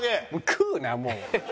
食うなもう。